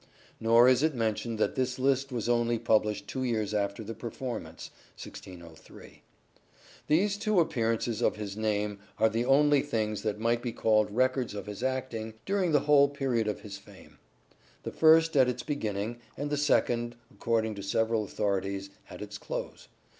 Nor is it mentioned that this list was only published two years after the performance (1603). These two appearances of his name are the only things that might be called records of his acting during the whole period of his fame ; the first at its beginning, and the second, according to several authorities, at its close.